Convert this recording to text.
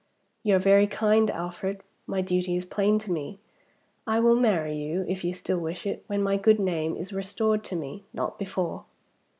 "You are very kind, Alfred. My duty is plain to me. I will marry you if you still wish it when my good name is restored to me. Not before."